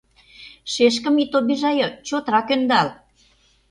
Шешкым ит обижае, чотрак ӧндал!